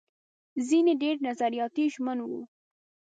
ځينې ډېر نظریاتي ژمن وو.